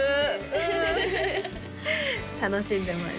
うん楽しんでます